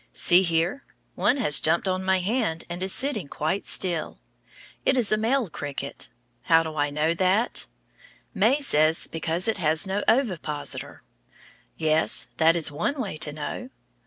See here, one has jumped on my hand and is sitting quite still. It is a male cricket. How do I know that? May says because it has no ovipositor. Yes, that is one way to know.